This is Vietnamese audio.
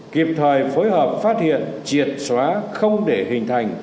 kịp thời phối hợp phát hiện triệt xóa không để hình thành